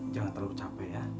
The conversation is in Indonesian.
jangan terlalu capek ya